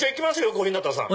小日向さん。